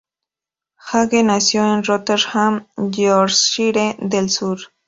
Hague nació en Rotherham, Yorkshire del Sur.